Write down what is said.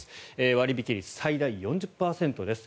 割引率、最大４０％です。